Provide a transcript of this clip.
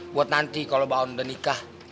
buat nanti kalau baun udah nikah